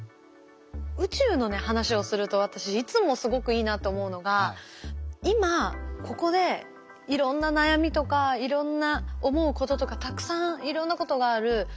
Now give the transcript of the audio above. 宇宙の話をすると私いつもすごくいいなと思うのが今ここでいろんな悩みとかいろんな思うこととかたくさんいろんなことがある。